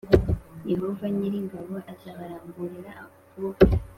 Yehova nyiri ingabo azabaramburira ukuboko